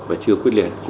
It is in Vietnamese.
và chưa quyết liệt